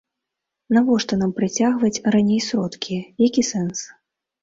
Навошта нам прыцягваць раней сродкі, які сэнс?